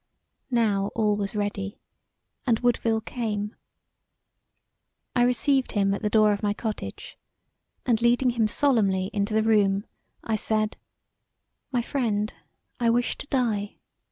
Now all was ready and Woodville came. I received him at the door of my cottage and leading him solemnly into the room, I said: "My friend, I wish to die.